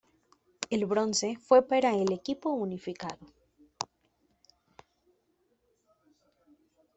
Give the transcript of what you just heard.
El bronce fue para el Equipo Unificado.